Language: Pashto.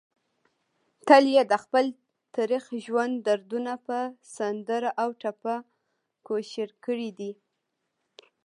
تل يې دخپل تريخ ژوند دردونه په سندره او ټپه کوشېر کړي دي